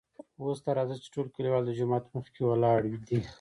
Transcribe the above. اوس ته راځه چې ټول کليوال دجومات مخکې ولاړ دي .